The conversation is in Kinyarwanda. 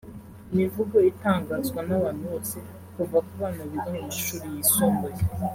Imivugo itangazwa n’abantu bose kuva ku bana biga mu mashuri yisumbuye